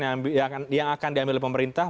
yang akan diambil pemerintah